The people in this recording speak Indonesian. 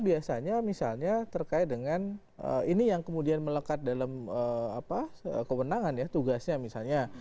biasanya misalnya terkait dengan ini yang kemudian melekat dalam kewenangan ya tugasnya misalnya